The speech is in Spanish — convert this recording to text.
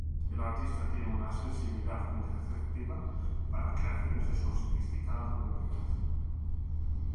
El artista tiene una sensibilidad muy receptiva para creaciones de sofisticada modernidad.